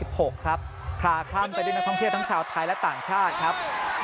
พลาคล่ำไปด้วยนักท่องเที่ยวทั้งชาวไทยและต่างชาติครับ